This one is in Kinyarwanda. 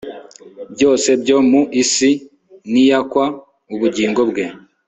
byose byo mu isi niyakwa ubugingo bwe